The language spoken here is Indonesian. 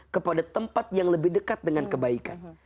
kepada tempat yang lebih dekat dengan kebaikan